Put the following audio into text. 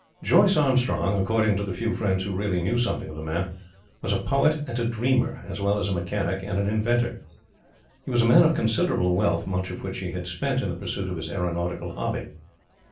Joyce Armstrong, according to the few friends who really knew something of the man, was a poet and a dreamer, as well as a mechanic and an inventor. He was a man of considerable wealth, much of which he had spent in the pursuit of his aeronautical hobby.